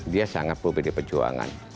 dia sangat berpilih perjuangan